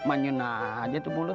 manyun aja tuh mulut